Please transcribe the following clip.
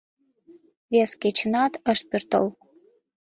Вес кечынат ыш пӧртыл.